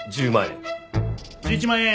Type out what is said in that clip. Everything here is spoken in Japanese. １１万円。